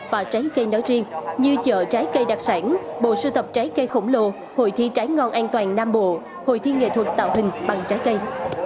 và trái cây nói riêng như chợ trái cây đặc sản bộ sưu tập trái cây khổng lồ hội thi trái ngon an toàn nam bộ hội thi nghệ thuật tạo hình bằng trái cây